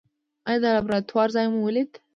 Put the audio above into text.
ایا د لابراتوار ځای مو ولید؟